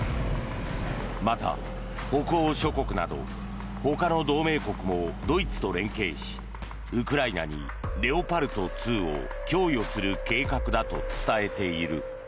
また、北欧諸国などほかの同盟国もドイツと連携しウクライナにレオパルト２を供与する計画だと伝えている。